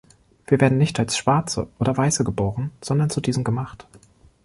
Wir werden nicht als Schwarze oder "Weiße" geboren, sondern zu diesen gemacht.